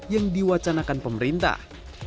yang diwacanakan pemerintah